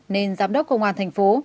nên giám đốc công an tp hcm